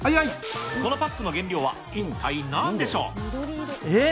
このパックの原料は一体なんでしえっ？